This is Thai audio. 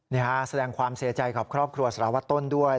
นี่ค่ะแสดงความเสียใจของครอบครัวสลัวตนด้วย